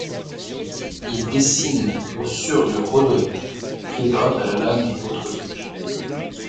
Il dessine au sur du rhodoïd qu'il gratte à la lame et autres objets.